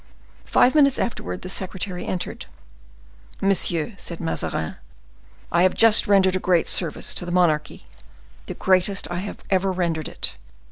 Five minutes afterward the secretary entered. "Monsieur," said Mazarin, "I have just rendered a great service to the monarchy, the greatest I have ever rendered it.